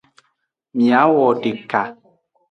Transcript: Miawodeka.